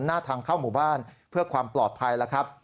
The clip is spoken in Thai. หน้าทางเข้าหมู่บ้านเพื่อความปลอดภัยแล้วครับ